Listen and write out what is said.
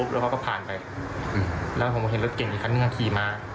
แล้วเขาก็ผ่านไปแล้วผมเห็นรถเก่งอีกคันนึงขี่มา